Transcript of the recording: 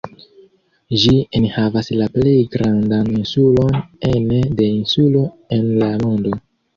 Ĝi enhavas la plej grandan insulon ene de insulo en la mondo.